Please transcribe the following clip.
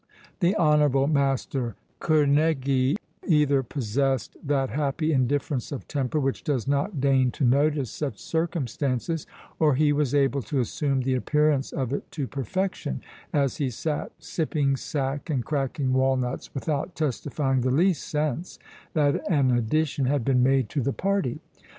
The honourable Master Kerneguy either possessed that happy indifference of temper which does not deign to notice such circumstances, or he was able to assume the appearance of it to perfection, as he sat sipping sack, and cracking walnuts, without testifying the least sense that an addition had been made to the party.